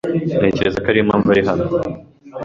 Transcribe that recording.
Ntekereza ko ariyo mpamvu ari hano.